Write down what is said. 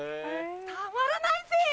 たまらないぜ！